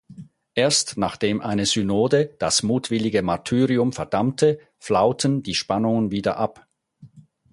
Erst nachdem eine Synode das mutwillige Martyrium verdammte, flauten die Spannungen wieder ab.